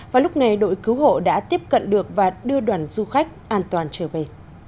và lúc này đội cứu hộ đã tiếp cận được và đưa đoàn du khách an toàn trở về